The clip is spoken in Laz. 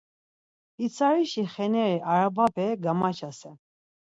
Pitsarişi xeneri arabape gamaçasen.